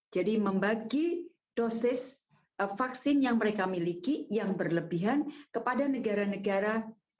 jadi membagi dosis vaksin yang mereka miliki yang berlebihan kepada negara negara